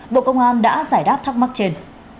bộ công an đã giải đáp thắc mắc trên